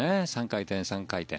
３回転、３回転。